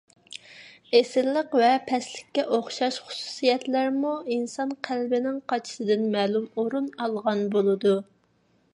ئېسىللىق ۋە پەسلىككە ئوخشاش خۇسۇسىيەتلەرمۇ ئىنسان قەلبىنىڭ قاچىسىدىن مەلۇم ئورۇن ئالغان بولىدۇ.